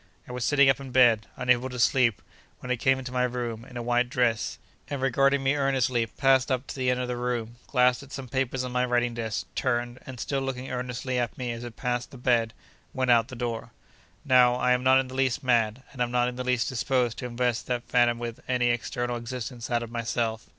I was sitting up in bed, unable to sleep, when it came into my room, in a white dress, and regarding me earnestly, passed up to the end of the room, glanced at some papers on my writing desk, turned, and, still looking earnestly at me as it passed the bed, went out at the door. Now, I am not in the least mad, and am not in the least disposed to invest that phantom with any external existence out of myself.